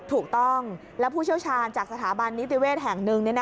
ถูกต้องแล้วผู้เชี่ยวชาญจากสถาบันนิติเวศแห่งหนึ่ง